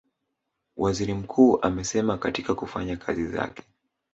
Waziri Mkuu amesema katika kufanya kazi zake